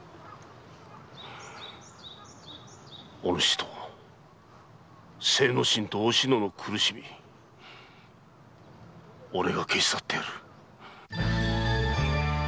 お主と精之進・お篠の苦しみ俺が消し去ってやる！